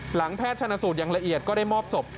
แพทย์ชนสูตรอย่างละเอียดก็ได้มอบศพ